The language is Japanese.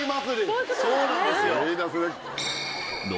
そうなんですよ。